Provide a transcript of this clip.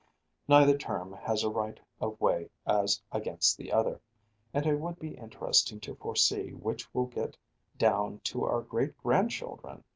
Neither term has a right of way as against the other; and it would be interesting to foresee which will get down to our great grandchildren.